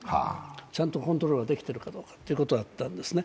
ちゃんとコントロールできているかどうかということだったんですね。